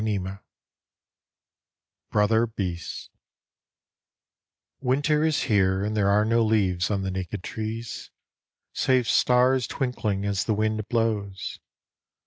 ] BROTHER BEASTS Winter is here And there are no leaves On the naked trees, Save stars twinkling As the wind blows.